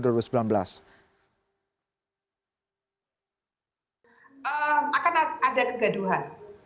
akan ada kegaduhan